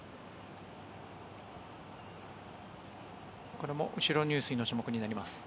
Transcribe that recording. これも後ろ入水の種目になります。